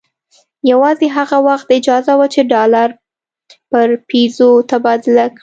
یوازې هغه وخت اجازه وه چې ډالر پر پیزو تبادله کړي.